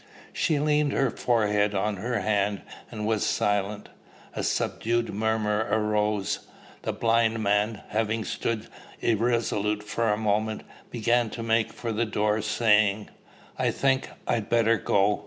She leaned her forehead on her hand, and was silent. A subdued murmur arose. The blind man, having stood irresolute for a moment, began to make for the door, saying, "I think I'd better go.